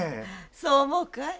そう思うかい？